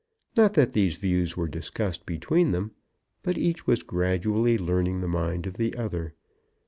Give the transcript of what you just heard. Not that these views were discussed between them, but each was gradually learning the mind of the other.